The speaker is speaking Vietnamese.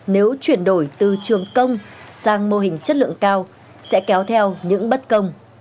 nếu chuyển đổi từ trường công sang mô hình chất lượng cao sẽ kéo theo những bất công